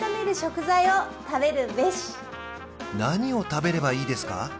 何を食べればいいですか？